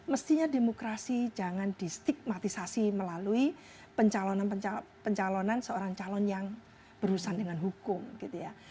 mestinya demokrasi jangan distigmatisasi melalui pencalonan seorang calon yang berurusan dengan hukum gitu ya